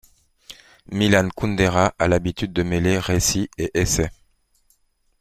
Milan Kundera a l'habitude de mêler récit et essai.